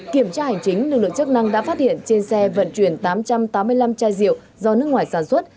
kiểm tra hành chính lực lượng chức năng đã phát hiện trên xe vận chuyển tám trăm tám mươi năm chai rượu do nước ngoài sản xuất